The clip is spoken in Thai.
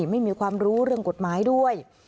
ไม่มีความรู้เรื่องกฎหมายด้วย